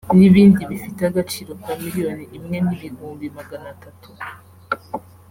n’ibindi bifite agaciro ka miliyoni imwe n’ibihumbi magana atatu